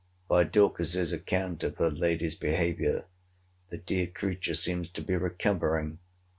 By Dorcas's account of her lady's behaviour, the dear creature seems to be recovering.